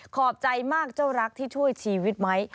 ขอบใจมากเจ้ารักที่ช่วยชีวิตไหม